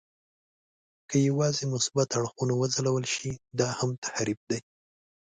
که یوازې مثبت اړخونه وځلول شي، دا هم تحریف دی.